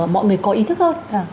mọi người có ý thức hơn